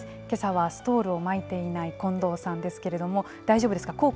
けさはストールを巻いていない近藤さんですけれども、大丈夫ですか？